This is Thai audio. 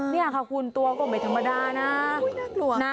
เนี่ยค่ะคูณตัวกลมเป็นธรรมดานะ